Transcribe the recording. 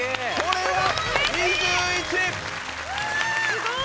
すごい！